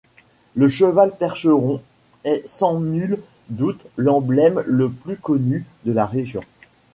Le cheval percheron est sans nul doute l'emblème le plus connu de la région.